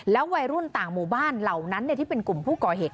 วัยรุ่นต่างหมู่บ้านเหล่านั้นที่เป็นกลุ่มผู้ก่อเหตุ